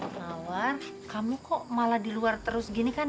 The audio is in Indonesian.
menawar kamu kok malah di luar terus gini kan